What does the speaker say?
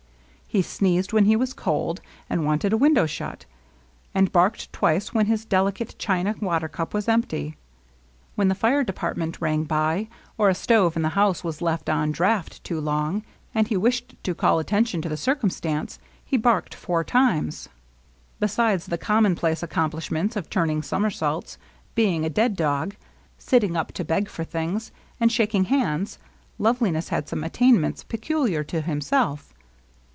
He sneezed when he was cold and wanted a window shut, and barked twice when his delicate china water cup was empty. When the fire depart ment rang by, or a stove in the house was left on draught too long, and he wished to call attention to the circumstance, he barked four times. Besides the commonplace accomplishments of turning som ersaults, being a dead dog, sitting up to beg for things, and shaking hands. Loveliness had some attainments pecuUar to himself.